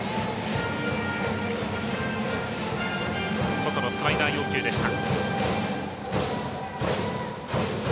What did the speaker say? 外のスライダー要求でした。